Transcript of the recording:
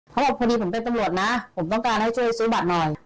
เขาบอกพอดีผมเป็นตำรวจนะผมต้องการให้ช่วยซื้อบัตรหน่อย